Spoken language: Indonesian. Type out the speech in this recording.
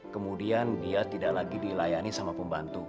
kemudian dia tidak lagi dilayani sama pembantu